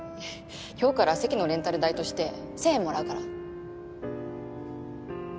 今日からは席のレンタル代として千円もらうから。